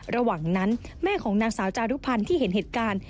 ระหว่างนั้นแม่ของนางสาวจารุพันธ์ที่เห็นเหตุการณ์